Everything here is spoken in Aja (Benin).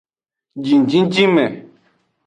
Jinjinjinme.